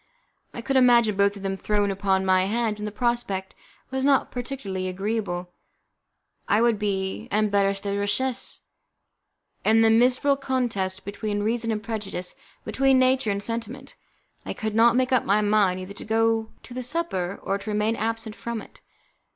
I could imagine both of them thrown upon my hands, and the prospect was not particularly agreeable. It would be an 'embarras de richesse'. In this miserable contest between reason and prejudice, between nature and sentiment, I could not make up my mind either to go to the supper or to remain absent from it.